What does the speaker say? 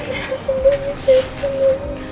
saya harus sembunyi cikgu